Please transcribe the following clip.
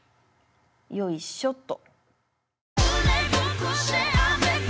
よいしょっと。